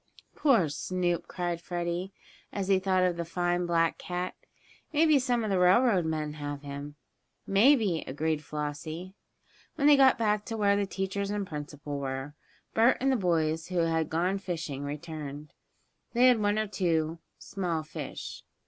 "Poor Snoop!" cried Freddie, as he thought of the fine black cat. "Maybe some of the railroad men have him." "Maybe," agreed Flossie. When they got back to where the teachers and principal were, Bert and the boys who bad gone fishing had returned. They had one or two small fish.